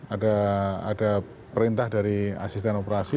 ada perintah dari asisten operasi